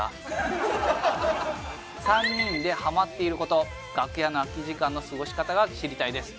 ３人でハマっている事楽屋の空き時間の過ごし方が知りたいです。